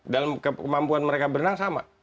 dalam kemampuan mereka berenang sama